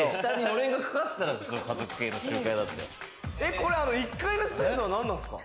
これ、１階のスペースは何なんですか？